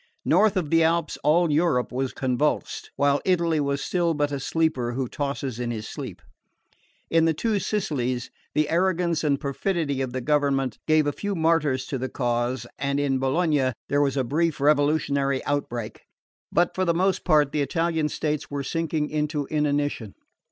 North of the Alps, all Europe was convulsed, while Italy was still but a sleeper who tosses in his sleep. In the two Sicilies, the arrogance and perfidy of the government gave a few martyrs to the cause, and in Bologna there was a brief revolutionary outbreak; but for the most part the Italian states were sinking into inanition.